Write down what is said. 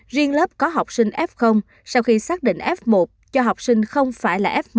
riêng lớp có học sinh f sau khi xác định f một cho học sinh không phải là f một